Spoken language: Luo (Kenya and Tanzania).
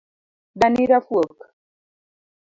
Dani rafuok